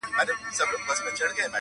فرشتې زرغونوي سوځلي کلي،